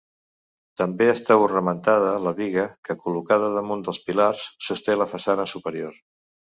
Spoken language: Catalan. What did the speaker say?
També està ornamentada la biga que, col·locada damunt dels pilars, sosté la façana superior.